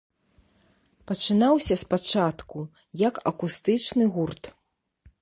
Пачынаўся спачатку, як акустычны гурт.